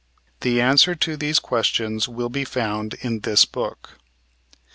The answer to these questions will be found in this book.